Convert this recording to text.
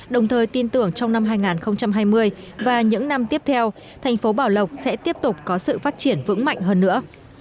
đồng thời tin tưởng trong năm hai nghìn hai mươi và những năm tiếp theo thành phố bảo lộc sẽ tiếp tục có sự phát triển vững mạnh hơn nữa